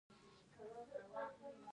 خو د هغو رعب دومره وي